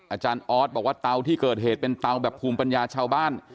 อาจารย์ออสบอกว่าเตาที่เกิดเหตุเป็นเตาแบบภูมิปัญญาชาวบ้าน